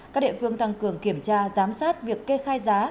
các địa phương tăng cường kiểm tra giám sát việc kê khai giá